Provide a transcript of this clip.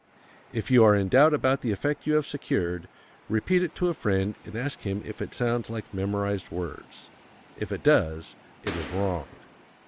If you are in doubt about the effect you have secured, repeat it to a friend and ask him if it sounds like memorized words. If it does, it is wrong.